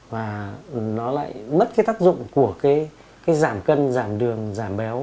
và nó lại mất cái tác dụng của cái giảm cân giảm đường giảm béo